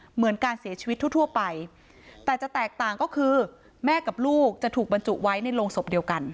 เหมือนการเสียชีวิตทั่วไปแต่จะแตกต่างก็คือแม่กับลูกจะถูกบรรจุไว้ในโรงศพเดียวกัน